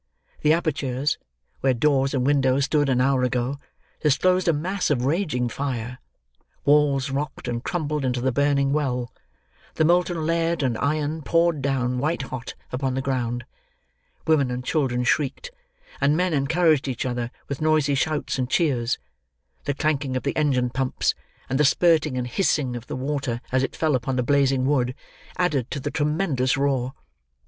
The apertures, where doors and windows stood an hour ago, disclosed a mass of raging fire; walls rocked and crumbled into the burning well; the molten lead and iron poured down, white hot, upon the ground. Women and children shrieked, and men encouraged each other with noisy shouts and cheers. The clanking of the engine pumps, and the spirting and hissing of the water as it fell upon the blazing wood, added to the tremendous roar.